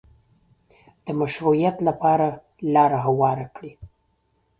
د مشروعیت لپاره لاره هواره کړي